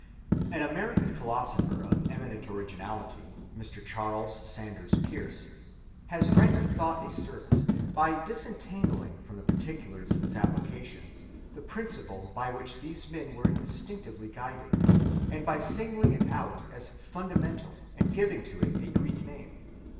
An American philosopher of eminent originality, Mr. Charles Sanders Peirce, has rendered thought a service by disentangling from the particulars of its application the principle by which these men were instinctively guided, and by singling it out as fundamental and giving to it a Greek name.